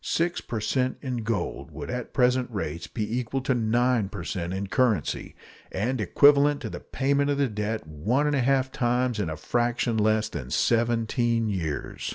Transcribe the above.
Six per cent in gold would at present rates be equal to 9 per cent in currency, and equivalent to the payment of the debt one and a half times in a fraction less than seventeen years.